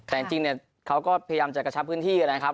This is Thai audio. แต่จริงเนี่ยเขาก็พยายามจะกระชับพื้นที่นะครับ